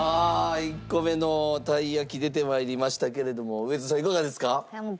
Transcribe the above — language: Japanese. １個目のたい焼き出て参りましたけれども上戸さんいかがですか？